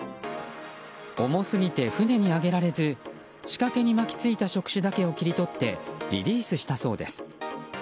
重すぎて船に上げられず仕掛けに巻き付いた触手だけを切り取ってリリースしたそうです。